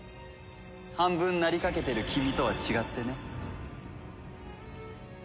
半分なりかけてる君とは違ってね。